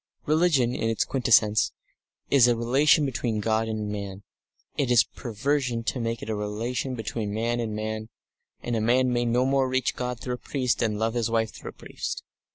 Religion in its quintessence is a relation between God and man; it is perversion to make it a relation between man and man, and a man may no more reach God through a priest than love his wife through a priest.